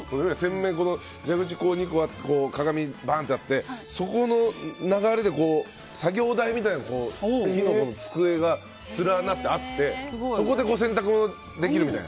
蛇口がここにあって鏡がバンってあってそこの流れで作業台みたいな木の机が連なってあってそこで洗濯物をできるみたいな。